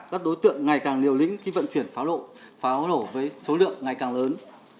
các đối tượng ngày càng liều lĩnh khi vận chuyển pháo nổ với số lượng ngày càng lớn